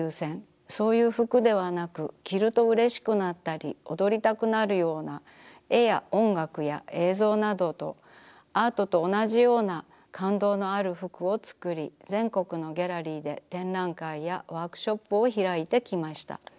そういう服ではなく着るとうれしくなったり踊りたくなるような絵や音楽や映像などアートとおなじような感動のある服をつくり全国のギャラリーで展覧会やワークショップをひらいてきました。